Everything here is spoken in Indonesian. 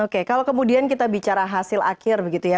oke kalau kemudian kita bicara hasil akhir begitu ya